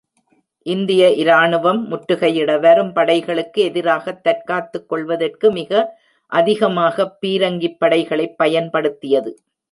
இந்திய இராணுவம் முற்றுகையிட வரும் படைகளுக்கு எதிராகத் தற்காத்துக் கொள்வதற்கு மிக அதிகமாகப் பீரங்கிப் படைகளைப் பயன்படுத்தியது.